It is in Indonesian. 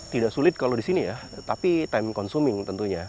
tidak sulit kalau di sini ya tapi time consuming tentunya